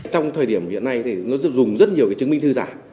trong thời điểm hiện nay thì nó dùng rất nhiều cái chứng minh thư giả